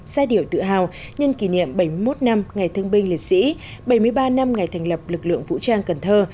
giai điệu tự hào nhân kỷ niệm bảy mươi một năm ngày thương binh liệt sĩ bảy mươi ba năm ngày thành lập lực lượng vũ trang cần thơ